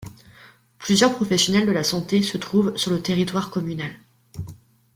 Plusieurs professionnels de la santé se trouvent sur le territoire communal.